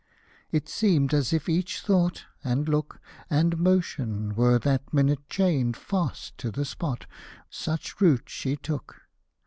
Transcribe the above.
It seemed as if each thought, and look. And motion were that minute chained Fast to the spot, such root she took.